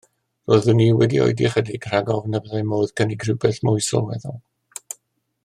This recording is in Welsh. Roeddwn i wedi oedi ychydig rhag ofn y byddai modd cynnig rhywbeth mwy sylweddol.